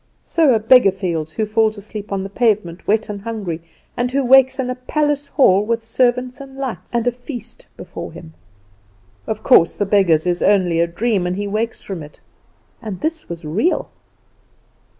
So a beggar feels who falls asleep on the pavement wet and hungry, and who wakes in a palace hall with servants and lights, and a feast before him. Of course the beggar's is only a dream, and he wakes from it; and this was real.